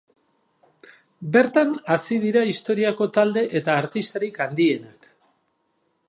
Bertan hazi dira historiako talde eta artistarik handienak.